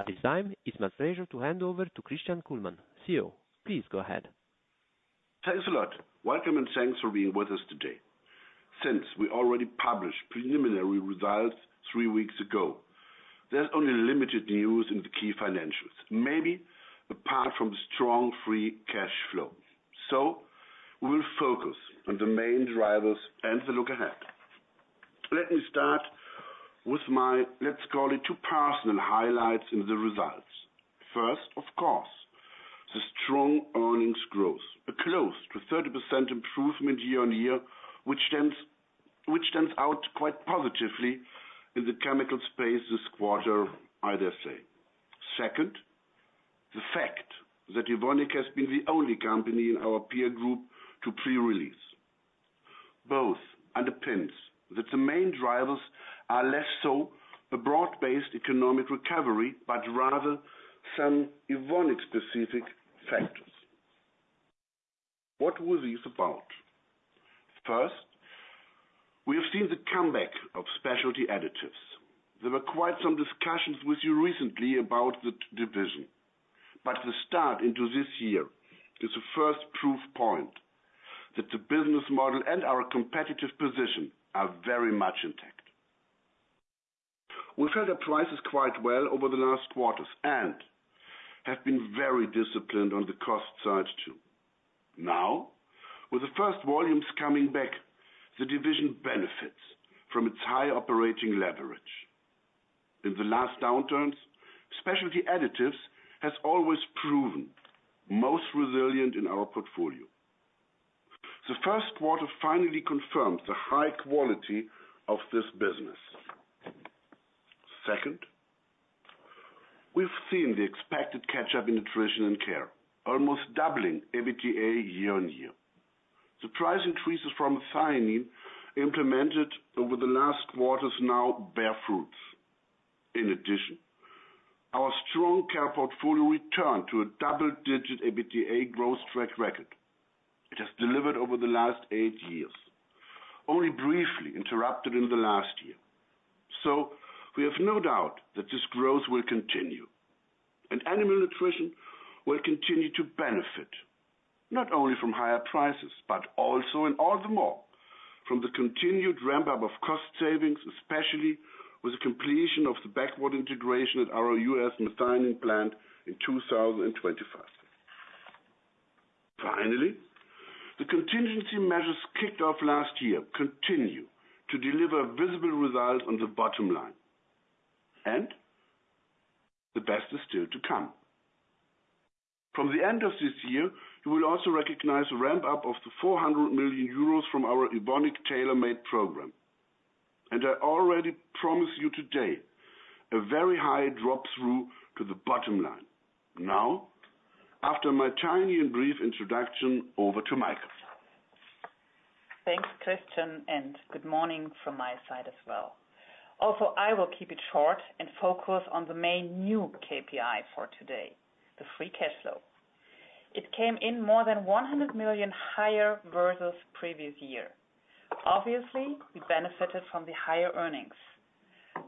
At this time, it's my pleasure to hand over t Christian Kullmann, CEO. Please go ahead. Thanks a lot. Welcome, and thanks for being with us today. Since we already published preliminary results three weeks ago, there's only limited news in the key financials, maybe apart from strong free cash flow. We will focus on the main drivers and the look ahead. Let me start with my, let's call it, 2 personal highlights in the results. First, of course, the strong earnings growth, a close to 30% improvement year-on-year, which stands, which stands out quite positively in the chemical space this quarter, I dare say. Second, the fact that Evonik has been the only company in our peer group to pre-release. Both underpins that the main drivers are less so a broad-based economic recovery, but rather some Evonik-specific factors. What were these about? First, we have seen the comeback of Specialty Additives. There were quite some discussions with you recently about the division, but the start into this year is the first proof point that the business model and our competitive position are very much intact. We've held our prices quite well over the last quarters and have been very disciplined on the cost side, too. Now, with the first volumes coming back, the division benefits from its high operating leverage. In the last downturns, Specialty Additives has always proven most resilient in our portfolio. The first quarter finally confirms the high quality of this business. Second, we've seen the expected catch-up in Nutrition & Care, almost doubling EBITDA year-over-year. The price increases from ThreAMINO implemented over the last quarters now bear fruit. In addition, our strong care portfolio returned to a double-digit EBITDA growth track record. It has delivered over the last eight years, only briefly interrupted in the last year. So we have no doubt that this growth will continue, and animal nutrition will continue to benefit, not only from higher prices, but also and all the more from the continued ramp-up of cost savings, especially with the completion of the backward integration at our U.S. methionine plant in 2025. Finally, the contingency measures kicked off last year continue to deliver visible results on the bottom line, and the best is still to come. From the end of this year, you will also recognize a ramp-up of 400 million euros from our Evonik Tailor Made program. And I already promise you today a very high drop-through to the bottom line. Now, after my tiny and brief introduction, over to Maike. Thanks, Christian, and good morning from my side as well. Also, I will keep it short and focus on the main new KPI for today, the free cash flow. It came in more than 100 million higher versus previous year. Obviously, we benefited from the higher earnings,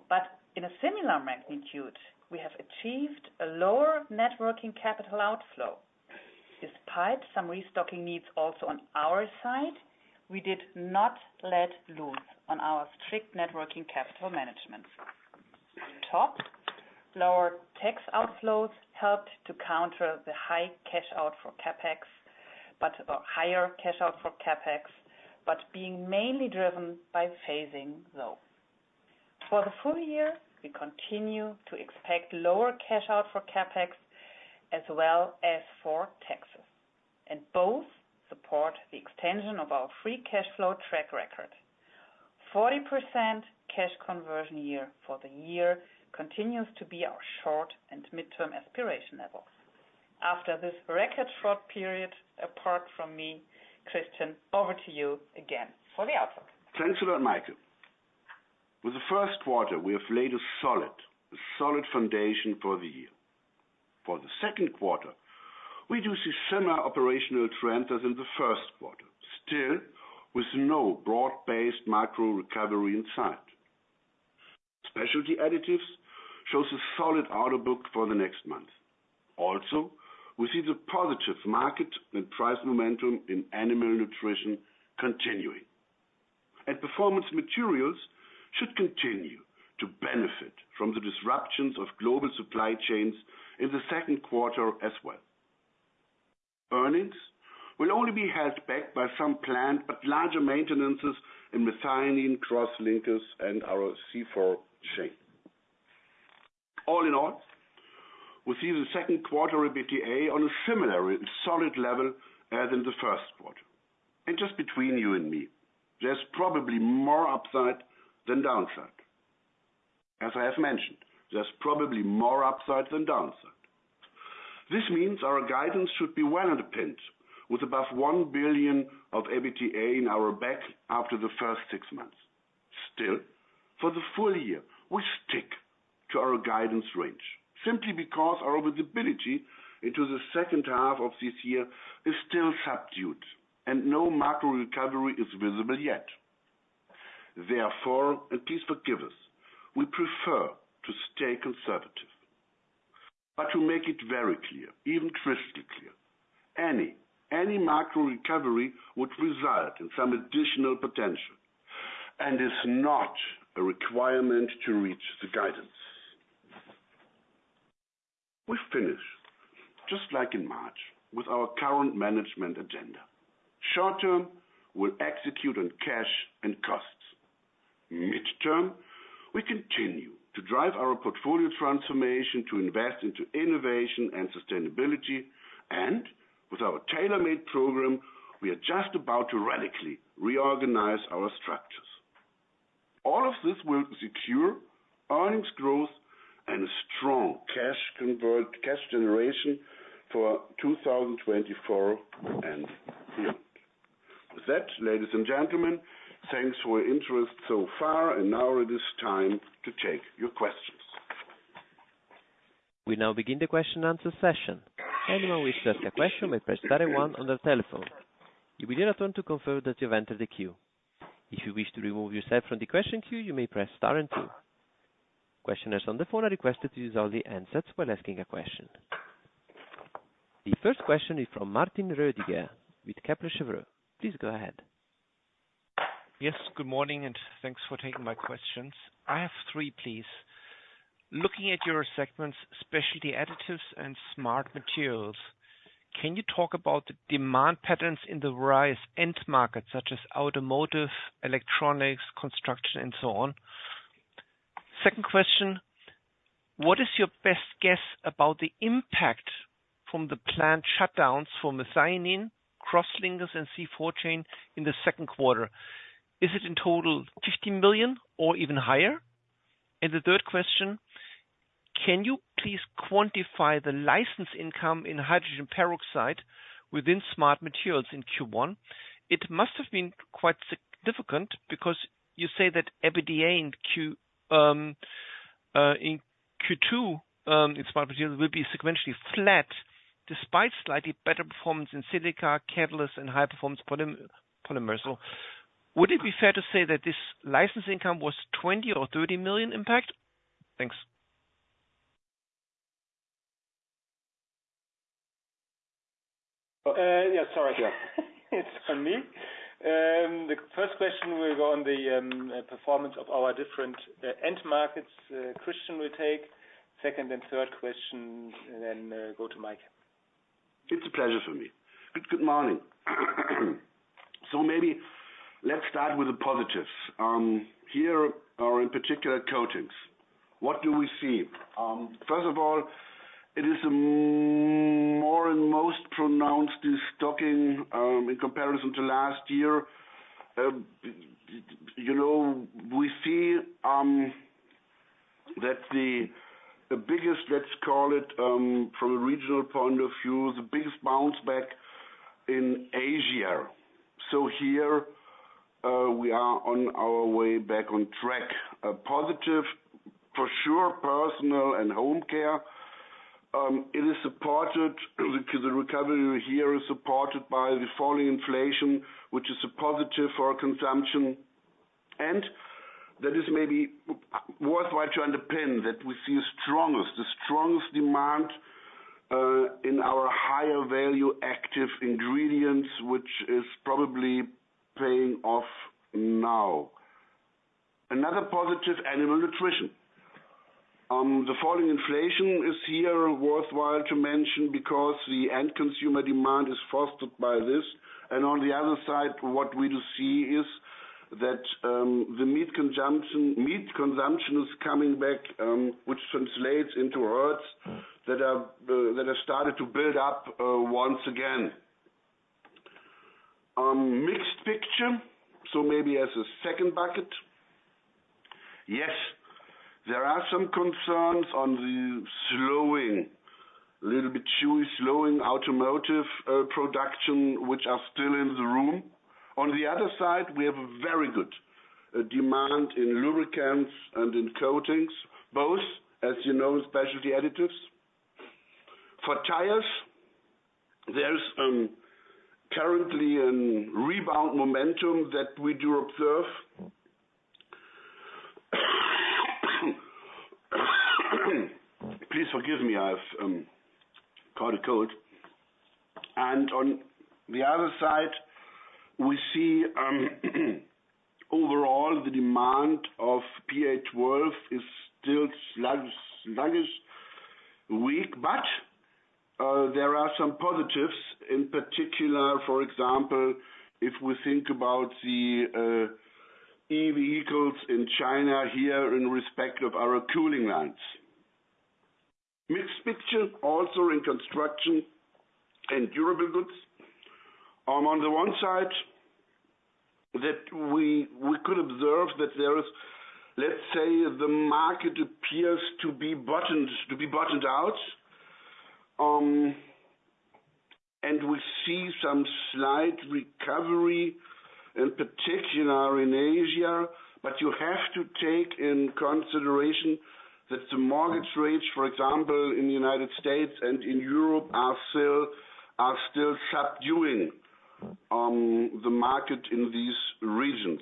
but in a similar magnitude, we have achieved a lower net working capital outflow. Despite some restocking needs also on our side, we did not let loose on our strict net working capital management. On top, lower tax outflows helped to counter the high cash out for CapEx, but, higher cash out for CapEx, but being mainly driven by phasing, though. For the full year, we continue to expect lower cash out for CapEx as well as for taxes, and both support the extension of our free cash flow track record. 40% cash conversion year for the year continues to be our short and midterm aspiration level. After this record short period, apart from me, Christian, over to you again for the outlook. Thanks a lot, Maike. With the first quarter, we have laid a solid, a solid foundation for the year. For the second quarter, we do see similar operational trends as in the first quarter, still with no broad-based macro recovery in sight. Specialty Additives shows a solid order book for the next month. Also, we see the positive market and price momentum in Animal Nutrition continuing. Performance Materials should continue to benefit from the disruptions of global supply chains in the second quarter as well. Earnings will only be held back by some planned but larger maintenances in Methionine, Crosslinkers, and our C4 Chain. All in all, we see the second quarter EBITDA on a similar solid level as in the first quarter. Just between you and me, there's probably more upside than downside. As I have mentioned, there's probably more upside than downside. This means our guidance should be well underpinned, with above 1 billion of EBITDA in our bank after the first six months. Still, for the full year, we stick to our guidance range simply because our visibility into the second half of this year is still subdued and no macro recovery is visible yet... therefore, and please forgive us, we prefer to stay conservative. But to make it very clear, even crystal clear, any, any macro recovery would result in some additional potential and is not a requirement to reach the guidance. We finish, just like in March, with our current management agenda. Short term, we'll execute on cash and costs. Midterm, we continue to drive our portfolio transformation to invest into innovation and sustainability, and with our Tailor-Made program, we are just about to radically reorganize our structures. All of this will secure earnings growth and a strong cash generation for 2024 and beyond. With that, ladies and gentlemen, thanks for your interest so far, and now it is time to take your questions. We now begin the question and answer session. Anyone who wishes to ask a question may press star and one on their telephone. You will hear a tone to confirm that you've entered the queue. If you wish to remove yourself from the question queue, you may press star and two. Questioners on the phone are requested to use only handsets when asking a question. The first question is from Martin Roediger with Kepler Cheuvreux. Please go ahead. Yes, good morning, and thanks for taking my questions. I have three, please. Looking at your segments, Specialty Additives and Smart Materials, can you talk about the demand patterns in the various end markets, such as automotive, electronics, construction, and so on? Second question: What is your best guess about the impact from the plant shutdowns from the methionine, crosslinkers and C4 Chain in the second quarter? Is it in total 50 million or even higher? And the third question: Can you please quantify the license income in hydrogen peroxide within Smart Materials in Q1? It must have been quite significant because you say that EBITDA in Q2 in Smart Materials will be sequentially flat, despite slightly better performance in silica, catalysts, and high-performance polymers. So would it be fair to say that this license income was 20 million or 30 million impact? Thanks. Yes, sorry. It's on me. The first question will go on the performance of our different end markets. Christian will take second and third question, and then go to Maike. It's a pleasure for me. Good morning. So maybe let's start with the positives. Here, in particular, coatings. What do we see? First of all, it is a more and most pronounced in stocking, in comparison to last year. You know, we see that the biggest, let's call it, from a regional point of view, the biggest bounce back in Asia. So here, we are on our way back on track. Positive for sure, personal and home care. The recovery here is supported by the falling inflation, which is a positive for our consumption. And that is maybe worthwhile to underpin that we see the strongest demand in our higher value active ingredients, which is probably paying off now. Another positive, animal nutrition. The falling inflation is here worthwhile to mention because the end consumer demand is fostered by this, and on the other side, what we do see is that, the meat consumption, meat consumption is coming back, which translates into herds that have, that have started to build up, once again. Mixed picture, so maybe as a second bucket. Yes, there are some concerns on the slowing, a little bit chewy, slowing automotive, production, which are still in the room. On the other side, we have a very good, demand in lubricants and in coatings, both, as you know, Specialty Additives. For tires, there's, currently an rebound momentum that we do observe. Please forgive me, I've, caught a cold. On the other side, we see, overall, the demand of PA-12 is still slightly weak, but there are some positives, in particular, for example, if we think about the EV vehicles in China here in respect of our cooling lines. Mixed picture also in construction and durable goods. On the one side, we could observe that there is, let's say, the market appears to be bottomed out. And we see some slight recovery, in particular in Asia, but you have to take in consideration that the mortgage rates, for example, in the United States and in Europe, are still subduing the market in these regions.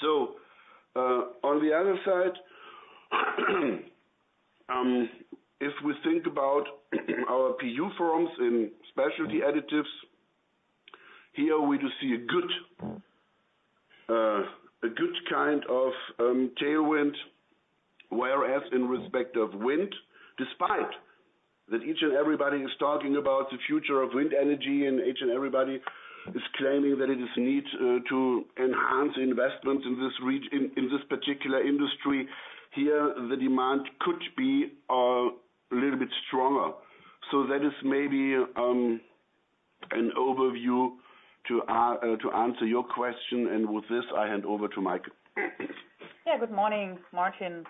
So, on the other side, if we think about our PU foams in specialty additives, here we do see a good, a good kind of, tailwind, whereas in respect of wind, despite that each and everybody is talking about the future of wind energy, and each and everybody is claiming that it is need to enhance investment in this particular industry. Here, the demand could be a little bit stronger. So that is maybe an overview to answer your question, and with this, I hand over to Maike. Yeah. Good morning, Martin,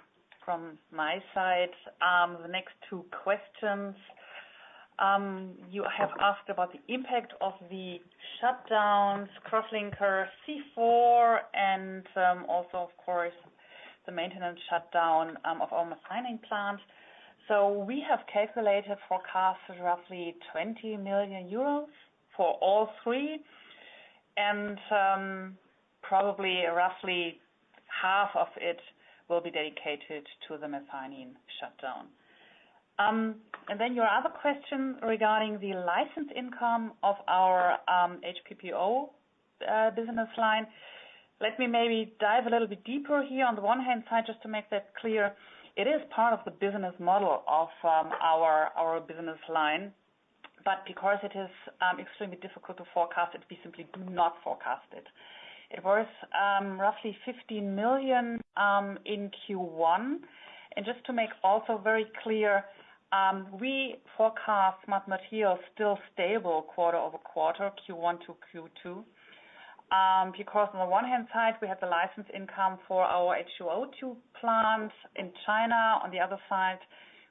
from my side. The next two questions you have asked about the impact of the shutdowns, crosslinkers C4, and also, of course, the maintenance shutdown of our methionine plant. So we have calculated forecast of roughly 20 million euros for all three, and probably roughly half of it will be dedicated to the methionine shutdown. And then your other question regarding the license income of our HPPO business line, let me maybe dive a little bit deeper here. On the one-hand side, just to make that clear, it is part of the business model of our business line, but because it is extremely difficult to forecast it, we simply do not forecast it. It was roughly 15 million in Q1. Just to make also very clear, we forecast Smart Materials still stable quarter over quarter, Q1 to Q2. Because on the one-hand side, we have the license income for our H2O2 plant in China. On the other side,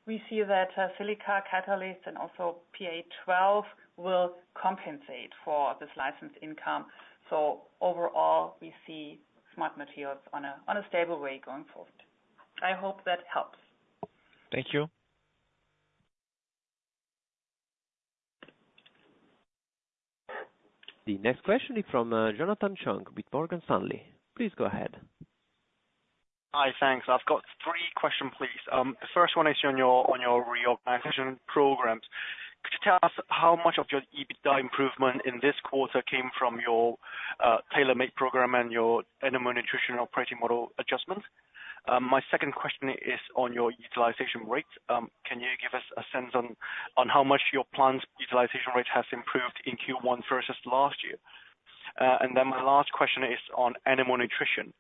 we see that silica catalyst and also PA-12 will compensate for this license income. So overall, we see Smart Materials on a stable way going forward. I hope that helps. Thank you. The next question is from Jonathan Chung with Morgan Stanley. Please go ahead. Hi, thanks. I've got three questions, please. The first one is on your reorganization programs. Could you tell us how much of your EBITDA improvement in this quarter came from your Tailor Made program and your Animal Nutrition operating model adjustment? My second question is on your utilization rates. Can you give us a sense on how much your plant's utilization rate has improved in Q1 versus last year? And then my last question is on Animal Nutrition.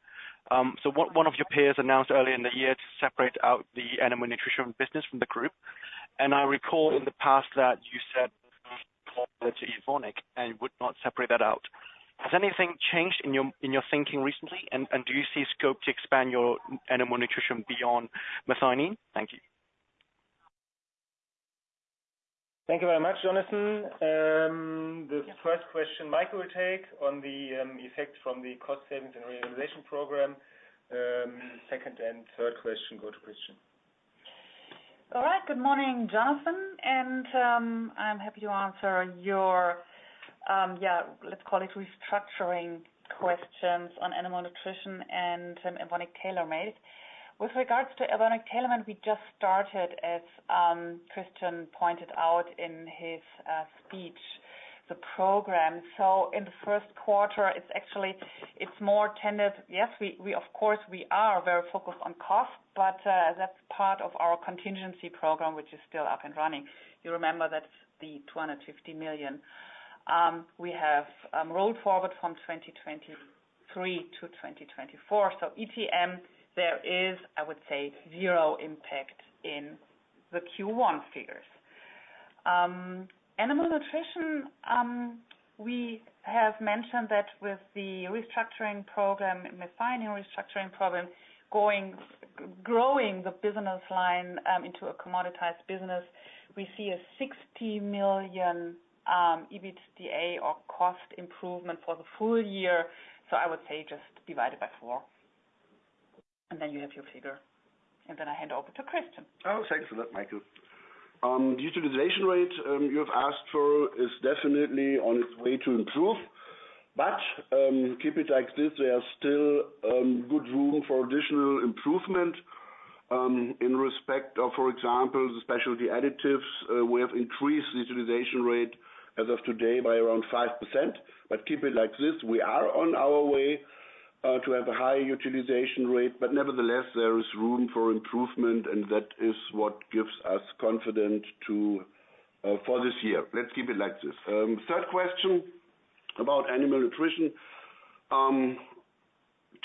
So one of your peers announced earlier in the year to separate out the Animal Nutrition business from the group, and I recall in the past that you said and would not separate that out. Has anything changed in your thinking recently? And do you see scope to expand your Animal Nutrition beyond methionine? Thank you. Thank you very much, Jonathan. The first question, Maike will take on the effect from the cost savings and realization program. Second and third question go to Christian. All right. Good morning, Jonathan, and I'm happy to answer your yeah, let's call it restructuring questions on Animal Nutrition and Evonik Tailor Made. With regards to Evonik Tailor Made, we just started, as Christian pointed out in his speech, the program. So in the first quarter, Yes, we, we of course, we are very focused on cost, but that's part of our contingency program, which is still up and running. You remember that's the 250 million we have rolled forward from 2023 to 2024. So ETM, there is, I would say, zero impact in the Q1 figures. Animal Nutrition, we have mentioned that with the restructuring program, major restructuring program, growing the business line into a commoditized business, we see a 60 million EBITDA or cost improvement for the full year. So I would say just divide it by four, and then you have your figure. And then I hand over to Christian. Oh, thanks for that, Maike. The utilization rate you have asked for is definitely on its way to improve, but keep it like this, there are still good room for additional improvement. In respect of, for example, the Specialty Additives, we have increased the utilization rate as of today by around 5%, but keep it like this. We are on our way to have a high utilization rate, but nevertheless, there is room for improvement, and that is what gives us confidence to for this year. Let's keep it like this. Third question about Animal Nutrition.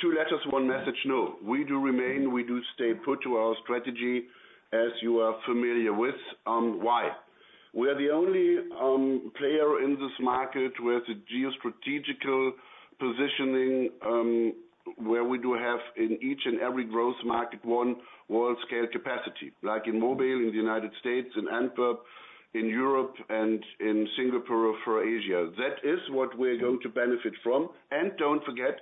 Two letters, one message, no. We do remain, we do stay put to our strategy, as you are familiar with. Why? We are the only player in this market with a geostrategic positioning, where we do have in each and every growth market, one world-scale capacity. Like in Mobile, in the United States, in Antwerp, in Europe, and in Singapore for Asia. That is what we're going to benefit from. And don't forget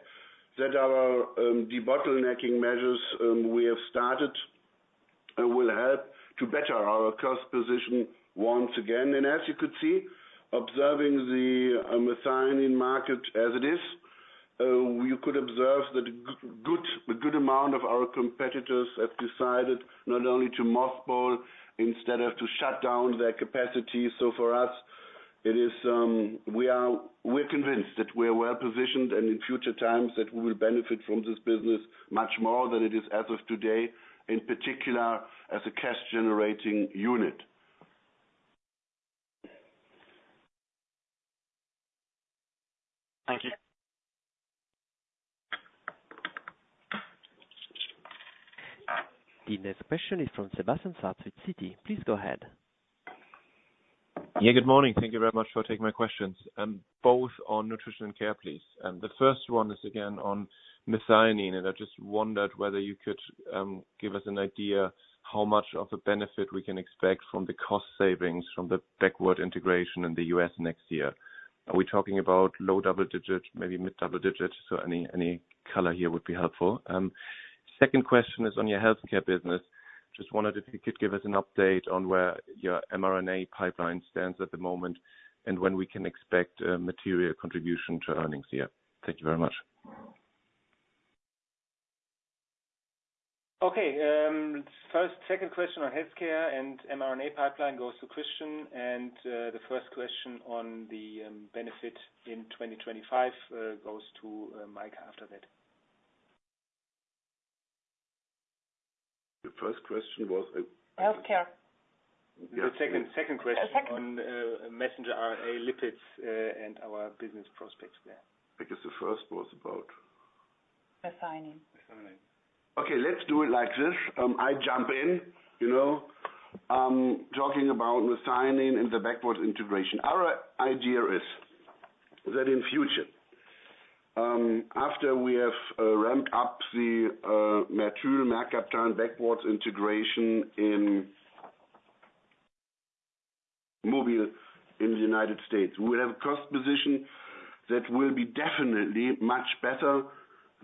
that our debottlenecking measures will help to better our cost position once again. And as you could see, observing the methionine market as it is, we could observe that a good amount of our competitors have decided not only to mothball instead of to shut down their capacity. So for us, it is, we're convinced that we are well positioned, and in future times, that we will benefit from this business much more than it is as of today, in particular, as a cash-generating unit. Thank you. The next question is from Sebastian Satz, Citi. Please go ahead. Yeah, good morning. Thank you very much for taking my questions both on Nutrition and Care, please. The first one is again on methionine, and I just wondered whether you could give us an idea how much of a benefit we can expect from the cost savings from the backward integration in the U.S. next year. Are we talking about low double digit, maybe mid double digit? So any color here would be helpful. Second question is on your healthcare business. Just wondered if you could give us an update on where your mRNA pipeline stands at the moment, and when we can expect material contribution to earnings here. Thank you very much. Okay, first, second question on healthcare and mRNA pipeline goes to Christian, and the first question on the benefit in 2025 goes to Maike after that. The first question was, Healthcare. Yeah. The second question- The second... on messenger RNA lipids and our business prospects there. I guess the first was about? Methionine. Methionine. Okay, let's do it like this. I jump in, you know, talking about methionine and the backward integration. Our idea is, that in future, after we have ramped up the methyl mercaptan backward integration in Mobile, in the United States, we have a cost position that will be definitely much better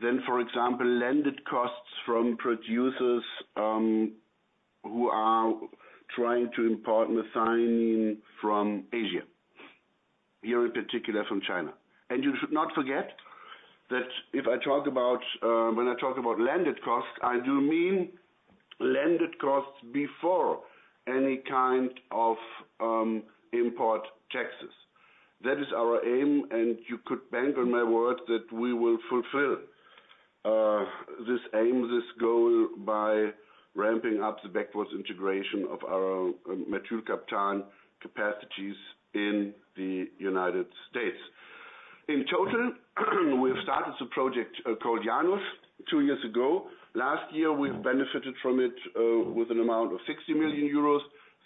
than, for example, landed costs from producers, who are trying to import methionine from Asia, here, in particular from China. And you should not forget that if I talk about, when I talk about landed costs, I do mean landed costs before any kind of import taxes. That is our aim, and you could bank on my word that we will fulfill this aim, this goal, by ramping up the backward integration of our methyl mercaptan capacities in the United States. In total, we've started a project called Janus two years ago. Last year, we've benefited from it with an amount of 60 million euros.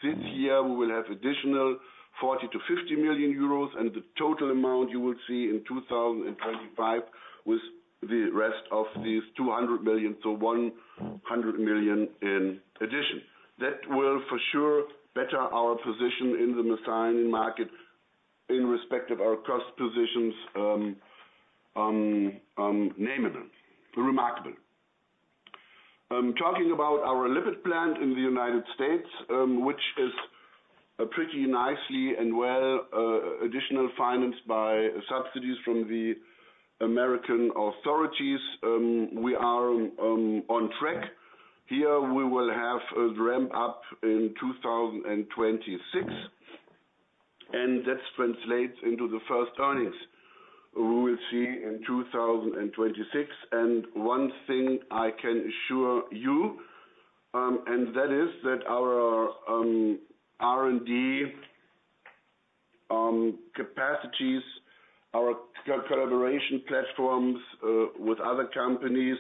This year, we will have additional 40 million-50 million euros, and the total amount you will see in 2025, with the rest of these 200 million, so 100 million in addition. That will, for sure, better our position in the methionine market in respect of our cost positions, namely, remarkable. Talking about our lipid plant in the United States, which is a pretty nicely and well additional financed by subsidies from the American authorities, we are on track. Here, we will have a ramp up in 2026, and that translates into the first earnings we will see in 2026. And one thing I can assure you, and that is that our R&D capacities, our collaboration platforms with other companies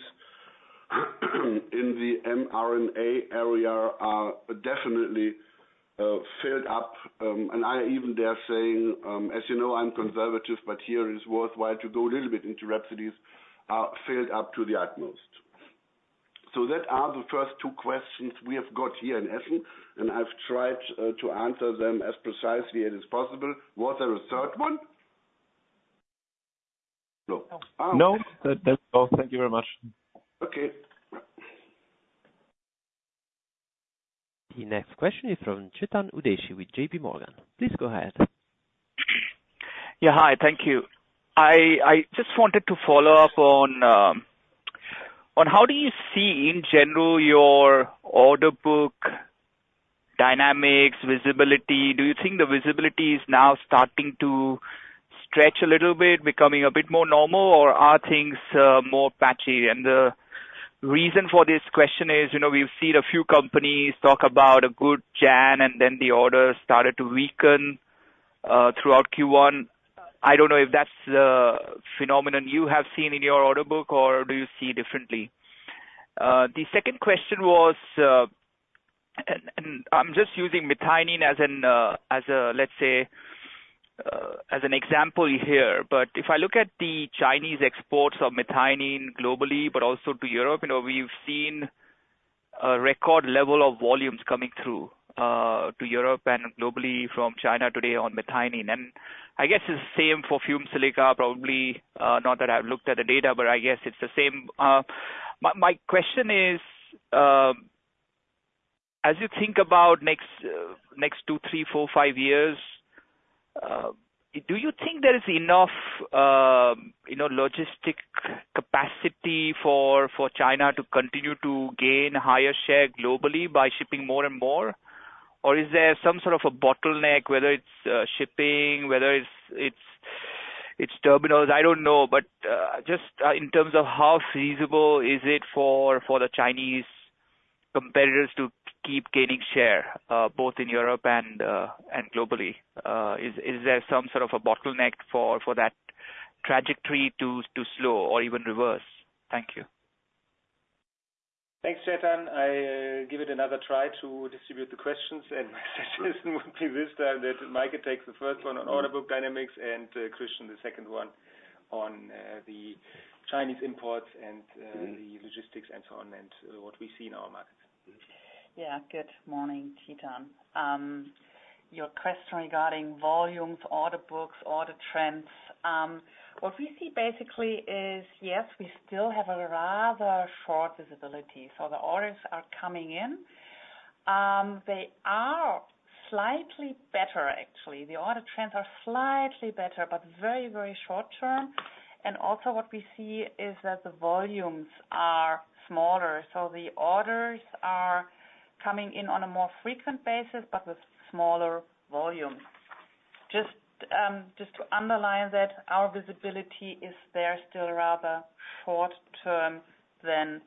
in the mRNA area are definitely filled up. And I even dare saying, as you know, I'm conservative, but here it is worthwhile to go a little bit into rhapsodies, are filled up to the utmost. So that are the first two questions we have got here in Essen, and I've tried to answer them as precisely as is possible. Was there a third one? No. No, that, that's all. Thank you very much. Okay. The next question is from Chetan Udeshi with JPMorgan. Please go ahead. Yeah, hi. Thank you. I just wanted to follow up on how do you see in general your order book dynamics, visibility? Do you think the visibility is now starting to stretch a little bit, becoming a bit more normal, or are things more patchy? And the reason for this question is, you know, we've seen a few companies talk about a good Jan, and then the orders started to weaken throughout Q1. I don't know if that's a phenomenon you have seen in your order book, or do you see differently? The second question was, and I'm just using methionine as an, as a, let's say, as an example here, but if I look at the Chinese exports of methionine globally, but also to Europe, you know, we've seen a record level of volumes coming through, to Europe and globally from China today on methionine. I guess it's the same for fumed silica, probably, not that I've looked at the data, but I guess it's the same. My question is, as you think about next, next two, three, four, five years, do you think there is enough, you know, logistics capacity for, for China to continue to gain higher share globally by shipping more and more? Or is there some sort of a bottleneck, whether it's shipping, whether it's terminals? I don't know, but just, in terms of how feasible is it for the Chinese competitors to keep gaining share, both in Europe and globally? Is there some sort of a bottleneck for that trajectory to slow or even reverse? Thank you. Thanks, Chetan. I give it another try to distribute the questions, and my suggestion would be this time that Maike takes the first one on order book dynamics, and, Christian, the second one on, the Chinese imports and, the logistics and so on, and what we see in our markets. Yeah. Good morning, Chetan. Your question regarding volumes, order books, order trends. What we see basically is, yes, we still have a rather short visibility. So the orders are coming in. They are slightly better actually. The order trends are slightly better, but very, very short term. And also what we see is that the volumes are smaller. So the orders are coming in on a more frequent basis, but with smaller volumes. Just to underline that our visibility is there still rather short term than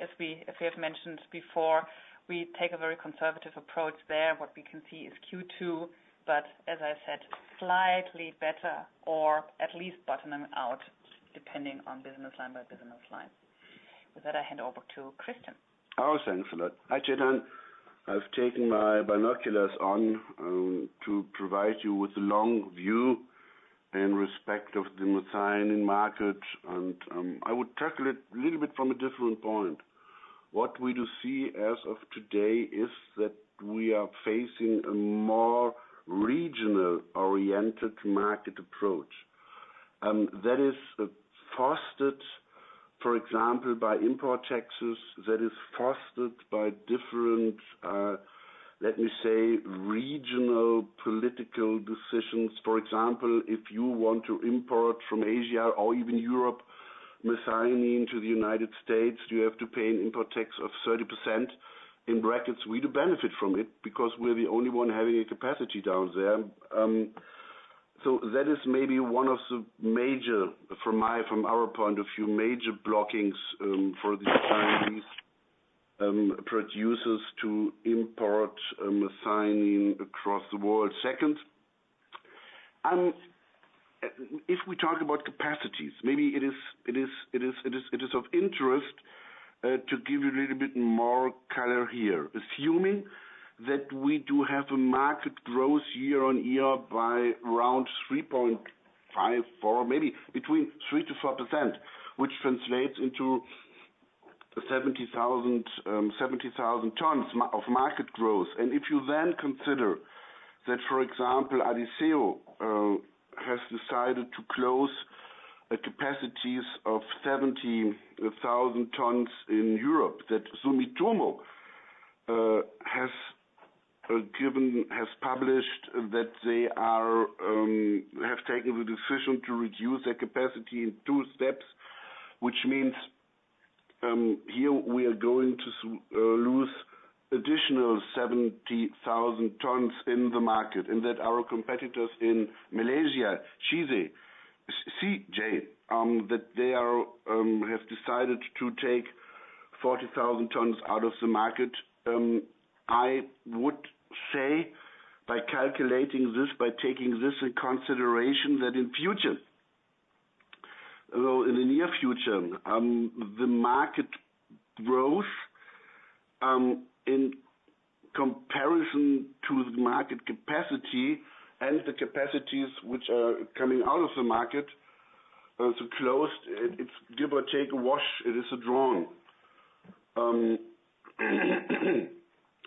as we have mentioned before, we take a very conservative approach there. What we can see is Q2, but as I said, slightly better or at least bottoming out, depending on business line by business line. With that, I hand over to Christian. Oh, thanks a lot. Hi, Chetan. I've taken my binoculars on, to provide you with a long view in respect of the methionine market, and, I would tackle it a little bit from a different point. What we do see as of today is that we are facing a more regional-oriented market approach, and that is, fostered, for example, by import taxes, that is fostered by different, let me say, regional political decisions. For example, if you want to import from Asia or even Europe, methionine into the United States, you have to pay an import tax of 30%. In brackets, we do benefit from it because we're the only one having a capacity down there. So that is maybe one of the major, from my, from our point of view, major blockings for these Chinese producers to import methionine across the world. Second, and if we talk about capacities, maybe it is of interest to give you a little bit more color here. Assuming that we do have a market growth year-on-year by around 3.5, 4, maybe between 3%-4%, which translates into 70,000 tons of market growth. If you then consider that, for example, Adisseo has decided to close the capacities of 70,000 tons in Europe, that Sumitomo has published that they have taken the decision to reduce their capacity in two steps, which means here we are going to lose additional 70,000 tons in the market. And that our competitors in Malaysia, CJ, that they have decided to take 40,000 tons out of the market. I would say by calculating this, by taking this in consideration, that in future, in the near future, the market growth, in comparison to the market capacity and the capacities which are coming out of the market, so closed, it's give or take a wash, it is a draw.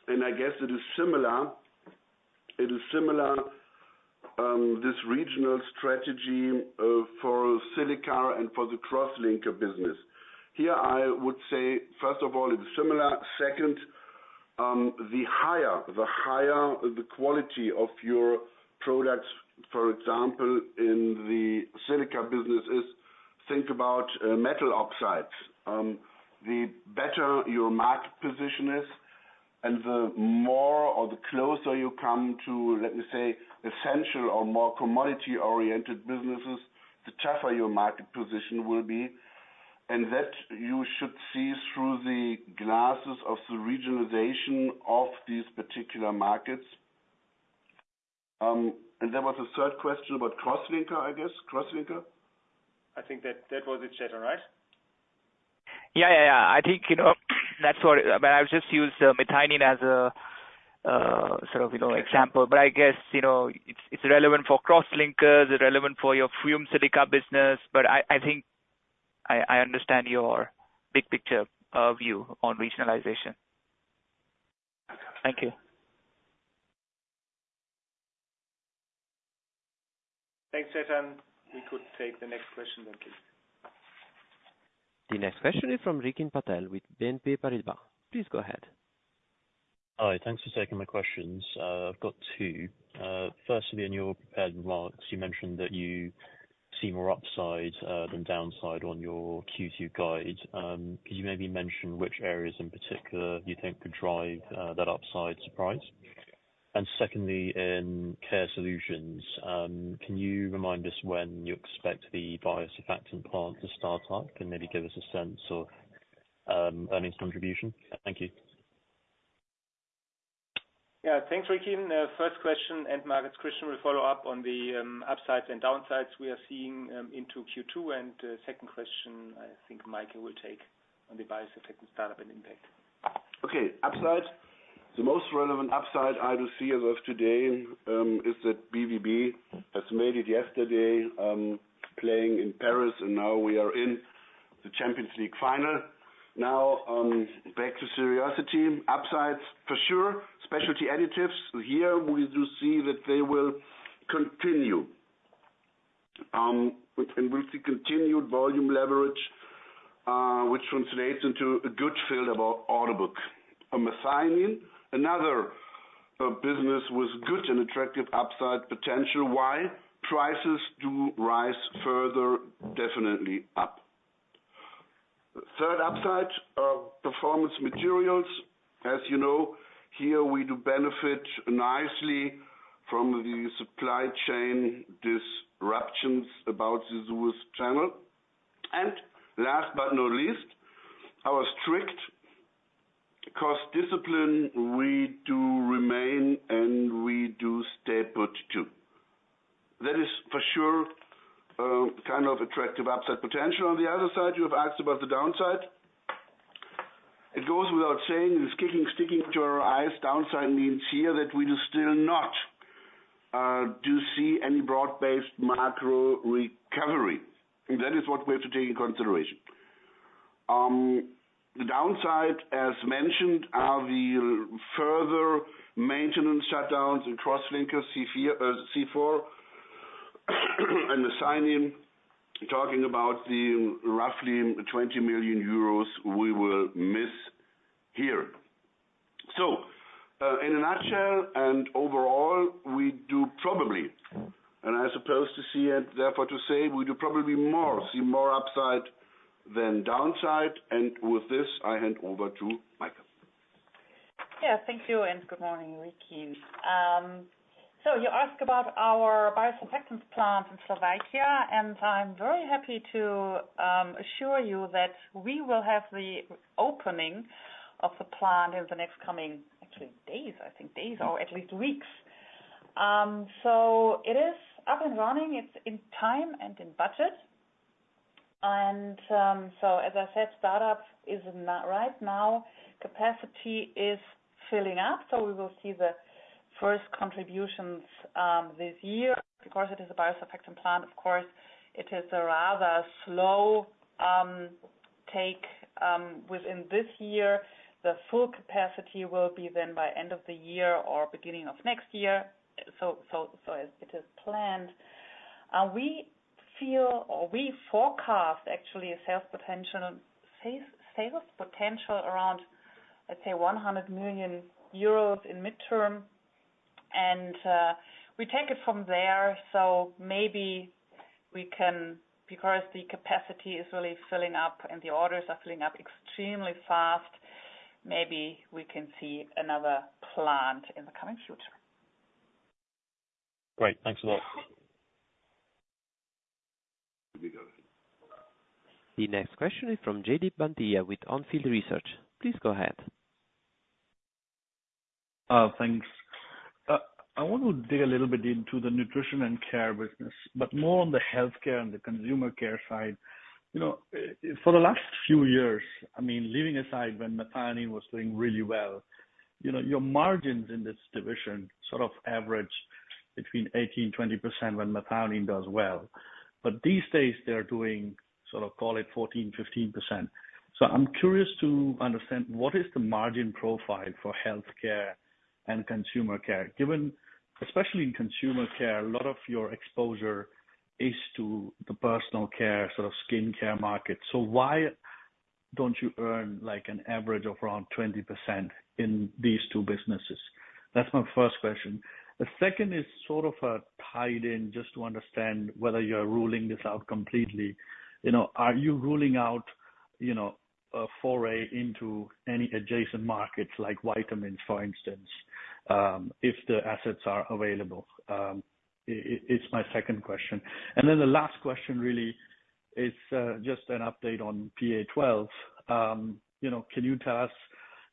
And I guess it is similar, this regional strategy for silica and for the crosslinker business. Here, I would say, first of all, it's similar. Second, the higher the quality of your products, for example, in the silica business, is, think about metal oxides. The better your market position is and the more or the closer you come to, let me say, essential or more commodity-oriented businesses, the tougher your market position will be. And that you should see through the glasses of the regionalization of these particular markets. And there was a third question about crosslinker, I guess. Crosslinker? I think that was it, Chetan, right? Yeah, yeah, yeah. I think, you know, that's what... But I'll just use methionine as a sort of, you know, example. But I guess, you know, it's relevant for crosslinkers, relevant for your fumed silica business. But I think I understand your big picture view on regionalization.... Thank you. Thanks, Chetan. We could take the next question then, please. The next question is from Rickin Patel with BNP Paribas. Please go ahead. Hi, thanks for taking my questions. I've got two. Firstly, in your prepared remarks, you mentioned that you see more upside than downside on your Q2 guide. Could you maybe mention which areas in particular you think could drive that upside surprise? And secondly, in care solutions, can you remind us when you expect the biosurfactant plant to start up, and maybe give us a sense of earnings contribution? Thank you. Yeah, thanks, Rickin. First question, and Rickin's question, we follow up on the upsides and downsides we are seeing into Q2. And, second question, I think Maike will take on the biosurfactant startup and impact. Okay, upside. The most relevant upside I will see as of today is that BVB has made it yesterday playing in Paris, and now we are in the Champions League final. Now, back to business. Upsides, for sure, Specialty Additives. Here, we do see that they will continue. And we see continued volume leverage, which translates into a good fill of our order book. On methionine, another business with good and attractive upside potential. Why? Prices do rise further, definitely up. Third upside, Performance Materials. As you know, here we do benefit nicely from the supply chain disruptions about the Suez Canal. And last but not least, our strict cost discipline, we do remain, and we do stay put, too. That is for sure kind of attractive upside potential. On the other side, you have asked about the downside. It goes without saying, sticking to our I's downside means here that we do still not do see any broad-based macro recovery, and that is what we have to take in consideration. The downside, as mentioned, are the further maintenance shutdowns in crosslinkers C4, and the C4, in talking about the roughly 20 million euros we will miss here. So, in a nutshell, and overall, we do probably, and I suppose to say it, therefore to say, we do probably more see more upside than downside. With this, I hand over to Maike. Yeah, thank you, and good morning, Rickin. So you ask about our biosurfactants plant in Slovakia, and I'm very happy to assure you that we will have the opening of the plant in the next coming, actually, days, I think, days or at least weeks. So it is up and running. It's in time and in budget. And, so as I said, startup is not right now. Capacity is filling up, so we will see the first contributions, this year. Of course, it is a biosurfactant plant. Of course, it is a rather slow, take, within this year. The full capacity will be then by end of the year or beginning of next year. As it is planned, we feel or we forecast actually a sales potential around, let's say, 100 million euros in midterm, and we take it from there. So maybe we can, because the capacity is really filling up and the orders are filling up extremely fast, maybe we can see another plant in the coming future. Great. Thanks a lot. You may go ahead. The next question is from Jaideep Pandey with Onfield Research. Please go ahead. Thanks. I want to dig a little bit into the nutrition and care business, but more on the healthcare and the consumer care side. You know, for the last few years, I mean, leaving aside when methionine was doing really well, you know, your margins in this division sort of average between 18%-20% when methionine does well. But these days they're doing, sort of, call it 14%-15%. So I'm curious to understand what is the margin profile for healthcare and consumer care, given, especially in consumer care, a lot of your exposure is to the personal care, sort of, skin care market. So why don't you earn, like, an average of around 20% in these two businesses? That's my first question. The second is sort of, tied in, just to understand whether you're ruling this out completely. You know, are you ruling out, you know, a foray into any adjacent markets, like vitamins, for instance, it's my second question. And then the last question really is just an update on PA-12. You know, can you tell us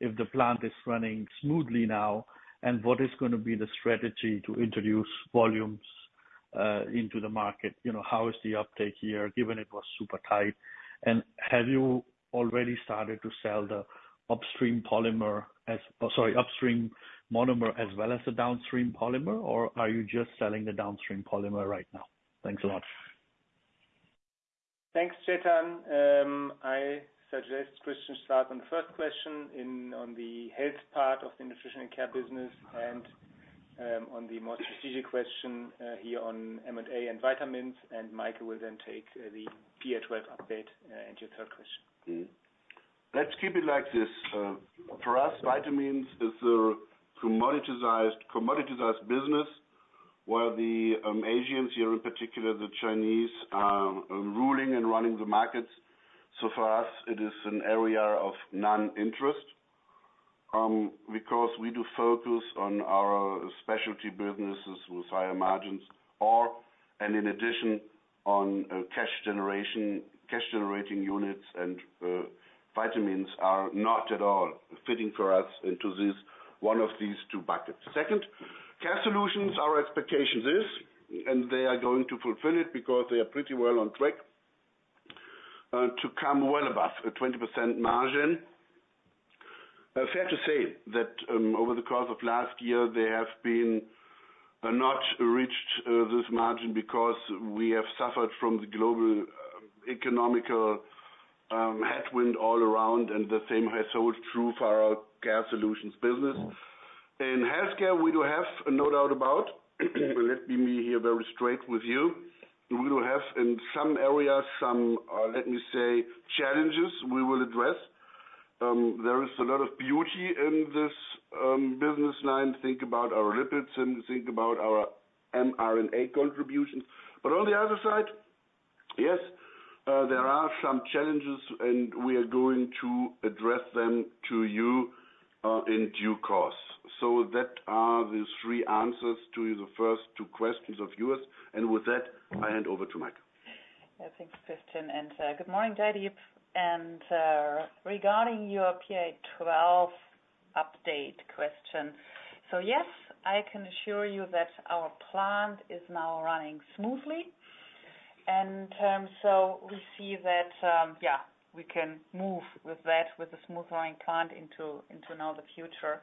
if the plant is running smoothly now? And what is gonna be the strategy to introduce volumes into the market? You know, how is the uptake here, given it was super tight? And have you already started to sell the upstream monomer as well as the downstream polymer, or are you just selling the downstream polymer right now? Thanks a lot.... Thanks, Chetan. I suggest Christian start on the first question on the health part of the Nutrition and Care business and on the more strategic question here on M&A and vitamins, and Maike will then take the PA-12 update and your third question. Mm-hmm. Let's keep it like this. For us, vitamins is a commoditized, commoditized business, where the Asians, here in particular, the Chinese, are ruling and running the markets. So for us, it is an area of non-interest, because we do focus on our specialty businesses with higher margins, or and in addition, on cash generation, cash-generating units and, vitamins are not at all fitting for us into this, one of these two buckets. Second, Care Solutions, our expectation is, and they are going to fulfill it because they are pretty well on track to come well above a 20% margin. Fair to say, that, over the course of last year, they have been not reached this margin because we have suffered from the global economic headwind all around, and the same holds true for our Care Solutions business. In healthcare, we do have no doubt about, let me be here very straight with you. We do have, in some areas, some, let me say, challenges we will address. There is a lot of beauty in this business line. Think about our lipids and think about our mRNA contributions. But on the other side, yes, there are some challenges, and we are going to address them to you in due course. So that are the three answers to the first two questions of yours. And with that, I hand over to Maike. Yeah. Thanks, Christian, and good morning to you. Regarding your PA-12 update question, so, yes, I can assure you that our plant is now running smoothly. So we see that, yeah, we can move with that, with a smooth-running plant into now the future.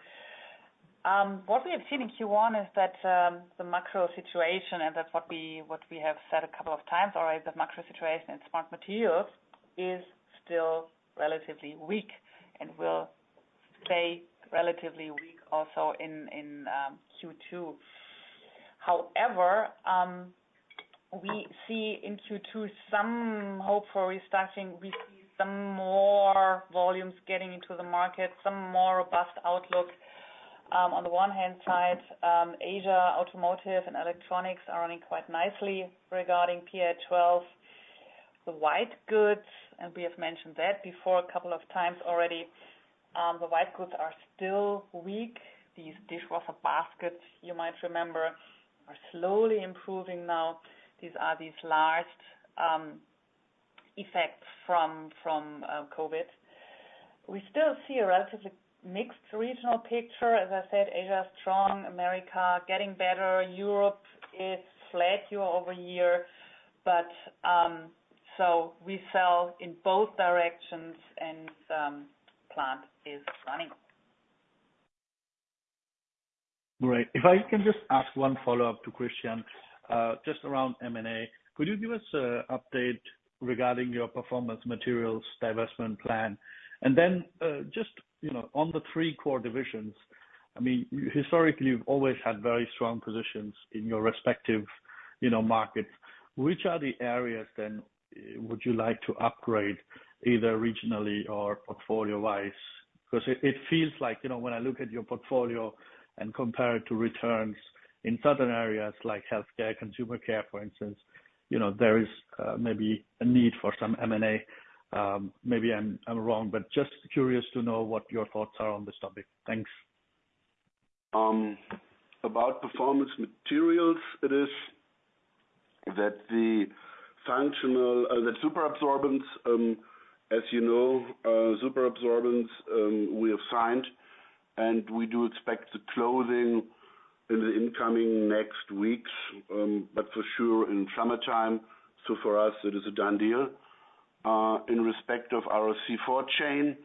What we have seen in Q1 is that the macro situation, and that's what we have said a couple of times already, the macro situation in Smart Materials is still relatively weak and will stay relatively weak also in Q2. However, we see in Q2 some hope for restarting. We see some more volumes getting into the market, some more robust outlook. On the one hand side, Asia, automotive, and electronics are running quite nicely regarding PA-12. The white goods, and we have mentioned that before a couple of times already, the white goods are still weak. These dishwasher baskets, you might remember, are slowly improving now. These are the last effects from COVID. We still see a relatively mixed regional picture. As I said, Asia, strong, America, getting better, Europe is flat year-over-year, but, so we sell in both directions and, plant is running. Great. If I can just ask one follow-up to Christian, just around M&A. Could you give us an update regarding your performance materials divestment plan? And then, just, you know, on the three core divisions, I mean, historically, you've always had very strong positions in your respective, you know, markets. Which are the areas, then, would you like to upgrade, either regionally or portfolio-wise? Because it feels like, you know, when I look at your portfolio and compare it to returns in certain areas like healthcare, consumer care, for instance, you know, there is, maybe a need for some M&A. Maybe I'm wrong, but just curious to know what your thoughts are on this topic. Thanks. About Performance Materials, it is that the functional, the super absorbents, as you know, super absorbents, we have signed, and we do expect the closing in the incoming next weeks, but for sure in summertime. So for us, it is a done deal. In respect of our C4 chain,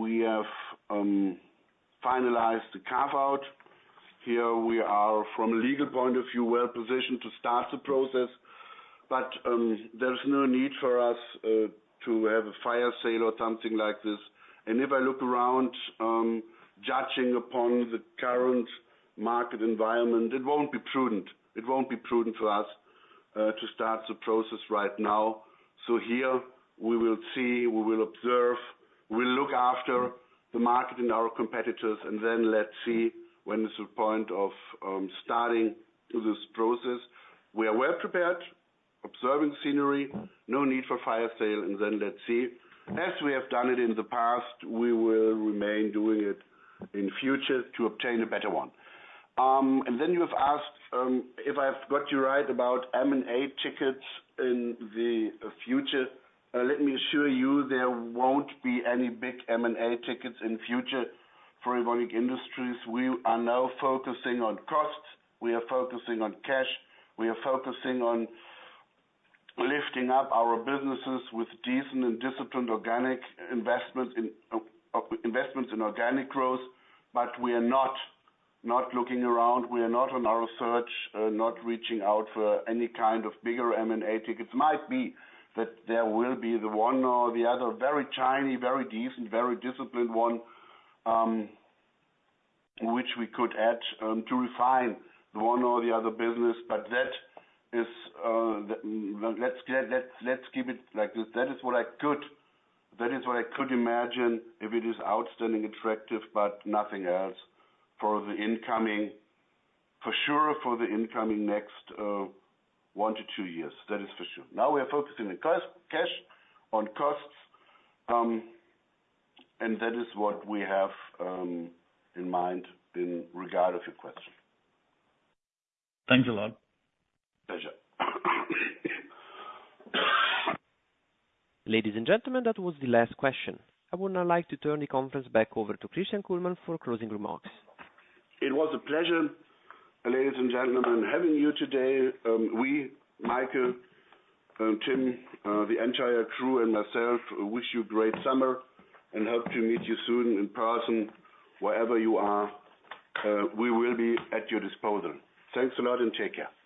we have finalized the carve-out. Here we are, from a legal point of view, well-positioned to start the process, but there's no need for us to have a fire sale or something like this. And if I look around, judging upon the current market environment, it won't be prudent. It won't be prudent for us to start the process right now. So here we will see, we will observe, we'll look after the market and our competitors, and then let's see when is the point of starting this process. We are well prepared, observing the scenery, no need for fire sale, and then let's see. As we have done it in the past, we will remain doing it in future to obtain a better one. And then you have asked, if I've got you right, about M&A tickets in the future. Let me assure you, there won't be any big M&A tickets in future for Evonik Industries. We are now focusing on costs, we are focusing on cash, we are focusing on lifting up our businesses with decent and disciplined organic investment in organic growth, but we are not looking around. We are not on our search, not reaching out for any kind of bigger M&A tickets. Might be that there will be the one or the other, very tiny, very decent, very disciplined one, which we could add, to refine the one or the other business, but that is, let's keep it like this. That is what I could, that is what I could imagine if it is outstanding, attractive, but nothing else for the incoming, for sure, for the incoming next, one to two years. That is for sure. Now, we are focusing on cost-cash, on costs, and that is what we have in mind in regard of your question. Thanks a lot. Pleasure. Ladies and gentlemen, that was the last question. I would now like to turn the conference back over to Christian Kullmann for closing remarks. It was a pleasure, ladies and gentlemen, in having you today. We, Maike, Tim, the entire crew and myself wish you a great summer and hope to meet you soon in person. Wherever you are, we will be at your disposal. Thanks a lot, and take care.